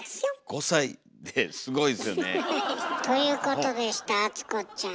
５歳ですごいですよねえ。ということでした淳子ちゃん。